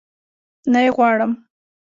نه يي غواړم